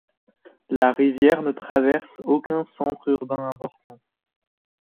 La rivière ne traverse aucun centre urbain important.